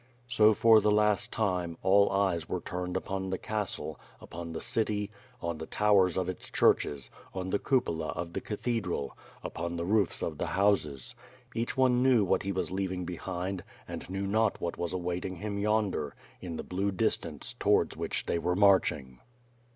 So, for the last time, all eyes were turned upon the castle, upon the city, on the towers of its churches, on the cupola of the cathedral, upon the roofs of the houses. Each one knew what he was leaving behind, and knew not what was awaiting him yonder, in the blue distance towards which they were marching.